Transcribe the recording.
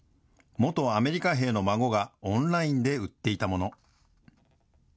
元アメリカ兵の孫がオンラインで売っていたもの。